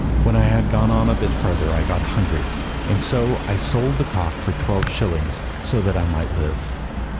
When I had gone a bit further I got hungry, and so I sold the cock for twelve shillings so that I might live."